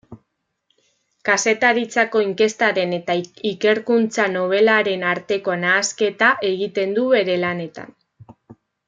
Kazetaritzako inkestaren eta ikerkuntza-nobelaren arteko nahasketa egiten du bere lanetan.